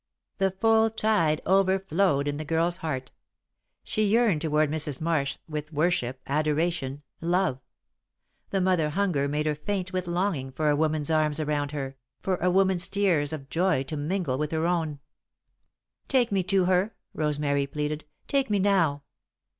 The full tide overflowed in the girl's heart. She yearned toward Mrs. Marsh with worship, adoration, love. The mother hunger made her faint with longing for a woman's arms around her, for a woman's tears of joy to mingle with her own. [Sidenote: Madame's Welcome] "Take me to her," Rosemary pleaded. "Take me now!"